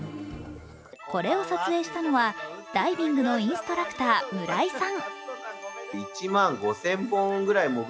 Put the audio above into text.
これを撮影したのはダイビングのインストラクター、村井さん。